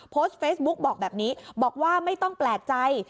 โพสต์เฟซบุ๊กบอกแบบนี้บอกว่าไม่ต้องแปลกใจ